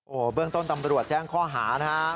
โอ้โหเบื้องต้นตำรวจแจ้งข้อหานะฮะ